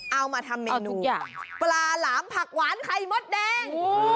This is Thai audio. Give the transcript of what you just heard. เอามาทำเมนูปลาหลามผักหวานไข่มดแดง